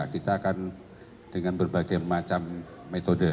kita akan dengan berbagai macam metode